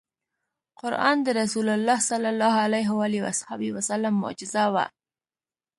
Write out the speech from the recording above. قرآن د رسول الله ص معجزه وه .